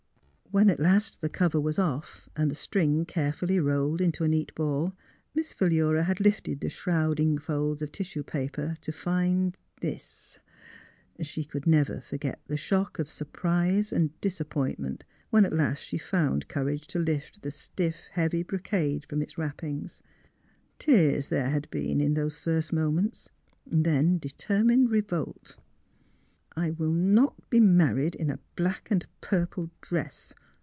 When at last the cover was off, and the string carefully rolled into a neat ball, Miss Pliilura had lifted the shrouding folds of tissue paper to find — this ! She could never forget the shock of sur prise and disappointment when at last she found courage to lift the stiff, heavy brocade from its wrappings. Tears there had been, in those first moments; then determined revolt. *' I will not be married in a black and purple dress!"